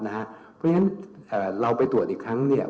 เพราะฉะนั้นเราไปตรวจอีกครั้งเนี่ย